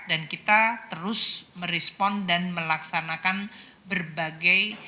dan kita terus merespon dan melaksanakan berbagai